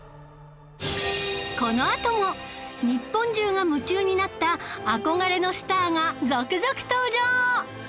このあとも日本中が夢中になった憧れのスターが続々登場！